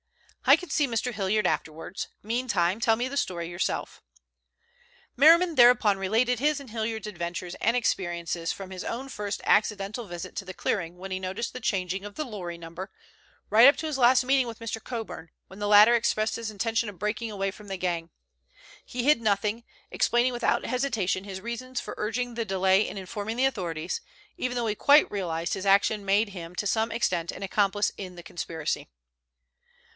"I can see Mr. Hilliard afterwards. Meantime tell me the story yourself." Merriman thereupon related his and Hilliard's adventures and experiences from his own first accidental visit to the clearing when he noticed the changing of the lorry number, right up to his last meeting with Mr. Coburn, when the latter expressed his intention of breaking away from the gang. He hid nothing, explaining without hesitation his reasons for urging the delay in informing the authorities, even though he quite realized his action made him to some extent an accomplice in the conspiracy.